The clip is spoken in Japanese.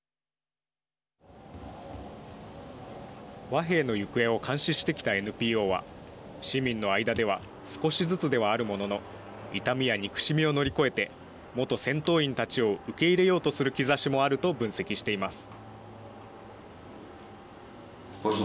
和平の行方を監視してきたＮＰＯは市民の間では少しずつではあるものの痛みや憎しみを乗り越えて元戦闘員たちを受け入れようとする兆しもあると分析しています。